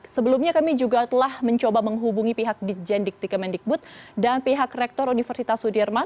sebelumnya kami juga telah mencoba menghubungi pihak dijendikti kemendikbud dan pihak rektor universitas sudirman